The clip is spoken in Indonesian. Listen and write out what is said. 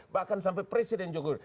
bahkan sampai presiden juga